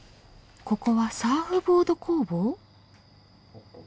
ここはサーフボード工房？